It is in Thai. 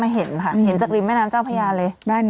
มาเห็นจากริมแม่น้ำเจ้าพระยาเลย